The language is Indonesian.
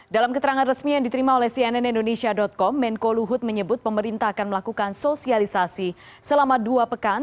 dalam keterangan resmi yang diterima oleh cnnindonesia com menko luhut menyebut pemerintah akan melakukan sosialisasi selama dua pekan